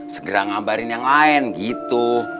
segera ngabarin yang lain gitu